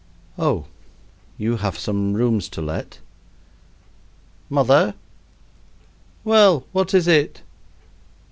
"Oh, you have some rooms to let." "Mother!" "Well, what is it?"